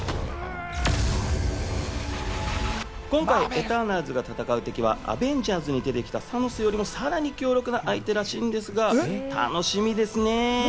今回、エターナルズが戦う敵は『アベンジャーズ』に出てきたサノスよりもさらに強力な相手らしいんですが楽しみですね。